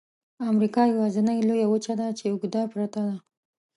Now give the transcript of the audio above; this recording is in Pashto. امریکا یوازني لویه وچه ده چې اوږده پرته ده.